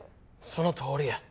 そのとおりや。